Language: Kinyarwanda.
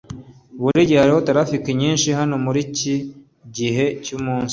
Burigihe hariho traffic nyinshi hano muriki gihe cyumunsi